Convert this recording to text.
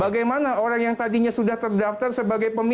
bagaimana orang yang tadinya sudah terdaftar sebagai pemilih mas